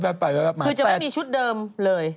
มาคือจะไม่มีชุดเดิมเลย